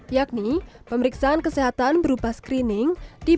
yakni pemeriksaan kesehatan berupa screening